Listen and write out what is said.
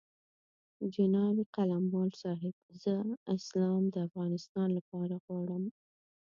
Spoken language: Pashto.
جناب قلموال صاحب زه اسلام د افغانستان لپاره غواړم.